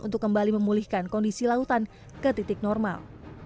untuk kembali memulihkan kondisi lautan ke titik normal